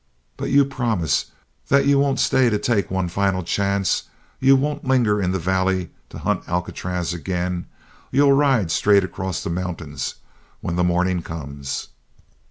But you promise, that you won't stay to take one final chance? You won't linger in the Valley to hunt Alcatraz again? You'll ride straight across the mountains when the morning comes?"